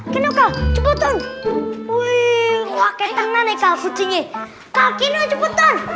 kenapa kak cepetan